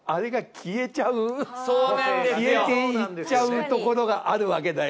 消えていっちゃうところがあるわけだよ